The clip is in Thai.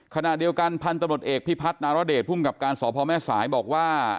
ขณะเดียวกันพันธุ์ตำรวจเอกพิพัฒนารเดชภูมิกับการสพแม่สายบอกว่า